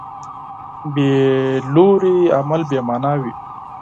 بېلوري عمل بېمانا وي.